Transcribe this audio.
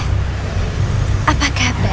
jangan lupa untuk berlangganan